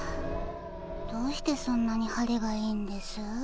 どうしてそんなに晴れがいいんです？